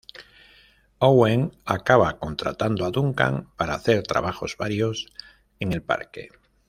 Owen acaba contratando a Duncan para hacer trabajos varios en el parque.